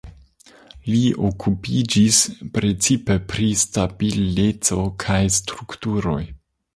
Li okupiĝis precipe pri stabileco kaj strukturoj.